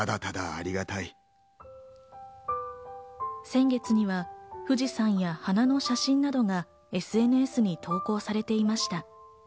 先月には富士山や花の写真などがＳＮＳに投稿されていました。